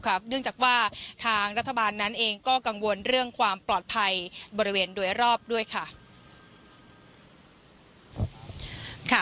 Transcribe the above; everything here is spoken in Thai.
เนื่องจากว่าทางรัฐบาลนั้นเองก็กังวลเรื่องความปลอดภัยบริเวณโดยรอบด้วยค่ะ